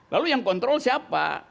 lalu yang kontrol siapa